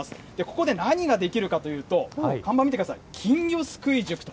ここで何ができるかというと、看板見てください、金魚すくい塾と。